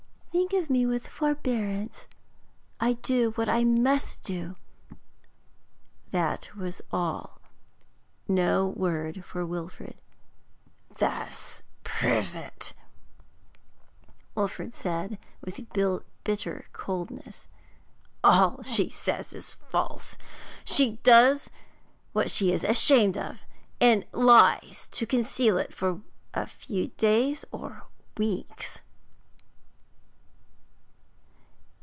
Think of me with forbearance. I do what I must do.' That was all. No word for Wilfrid. 'This proves it,' Wilfrid said, with bitter coldness. 'All she says is false. She does what she is ashamed of, and lies to conceal it for a few days or weeks.'